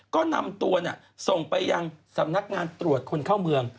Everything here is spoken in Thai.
ก็นำตัวส่งไปยังสำนักงานตรวจคนเข้าเมือง